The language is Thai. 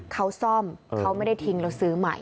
เขาซ่อมเขาไม่ได้ทิ้งเราซื้อใหม่